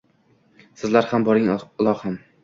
Sizlar ham boring ilohim.